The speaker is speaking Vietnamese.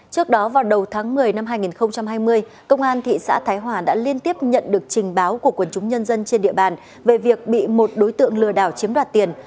trước đó vào đầu tháng một mươi năm hai nghìn hai mươi công an thị xã thái hòa đã liên tiếp nhận được trình báo của quần chúng nhân dân trên địa bàn về việc bị một đối tượng lừa đảo chiếm đoạt tiền